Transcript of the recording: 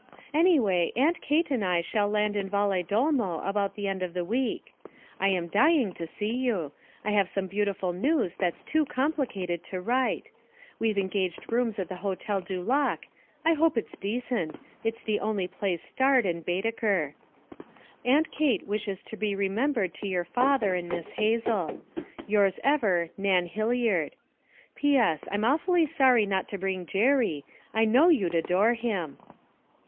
'Anyway, Aunt Kate and I shall land in Valedolmo about the end of the week. I am dying to see you; I have some beautiful news that's too complicated to write. We've engaged rooms at the Hotel du Lac I hope it's decent; it's the only place starred in Baedeker. 'Aunt Kate wishes to be remembered to your father and Miss Hazel. 'Yours ever, 'NAN HILLIARD. 'P.S. I'm awfully sorry not to bring Jerry; I know you'd adore him.'